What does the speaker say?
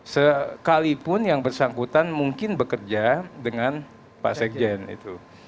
sekalipun yang bersangkutan mungkin bekerja dengan pak sekjen itu